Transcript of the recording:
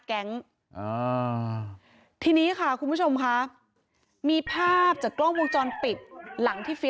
แก๊งอ่าทีนี้ค่ะคุณผู้ชมค่ะมีภาพจากกล้องวงจรปิดหลังที่เฟี้ย